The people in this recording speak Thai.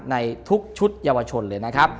ในทุกชุดเยาวชนเลยนะครับ